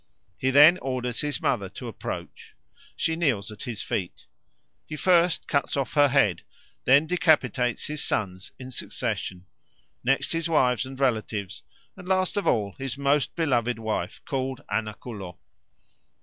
He then orders his mother to approach; she kneels at his feet; he first cuts off her head, then decapitates his sons in succession, next his wives and relatives, and, last of all, his most beloved wife, called Anacullo.